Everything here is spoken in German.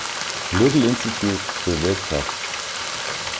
Little Institute für Wirtschaft.